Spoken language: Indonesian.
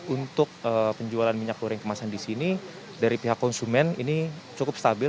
untuk penjualan minyak goreng kemasan di sini dari pihak konsumen ini cukup stabil